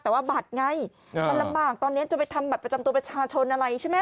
แต่ว่าบัตรไงมันลำบากตอนนี้จะไปทำบัตรประจำตัวประชาชนอะไรใช่ไหม